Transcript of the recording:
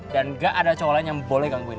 dan gak ada cowok lain yang boleh gangguin lo